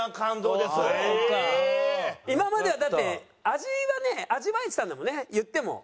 今まではだって味はね味わえてたんだもんね言っても。